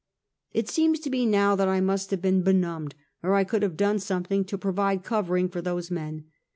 It seems to me now that I must have been be numbed, or I could have done something to provide covering for those men.